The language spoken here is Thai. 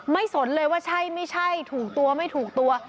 สนเลยว่าใช่ไม่ใช่ถูกตัวไม่ถูกตัว